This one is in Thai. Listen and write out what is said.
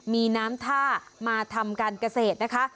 มีน้ำท่ามาทำการเกษตรนะคะ